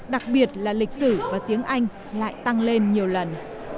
đặc biệt là lịch sử và tiếng anh lại tăng lên nhiều lần